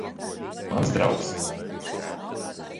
Mans draugs.